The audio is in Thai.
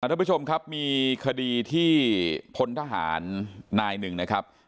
ท่านผู้ชมครับมีคดีที่พลทหารนายหนึ่งนะครับ